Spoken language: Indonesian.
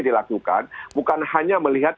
dilakukan bukan hanya melihat